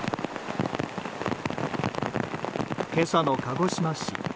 今朝の鹿児島市。